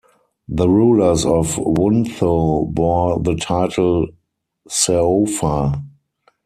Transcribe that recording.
The rulers of Wuntho bore the title "Saopha".